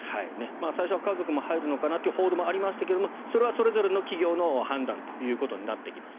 最初は家族も入るのかなという報道もありましたがそれはそれぞれの企業の判断ということになってきます。